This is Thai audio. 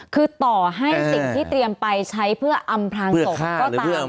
คือต่อให้สิ่งที่เตรียมไปใช้เพื่ออำพลางศพก็ตาม